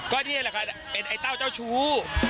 ก็เลยเป็นไอ้เต้าเจ้าชู้